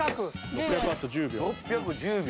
６００ワット１０秒。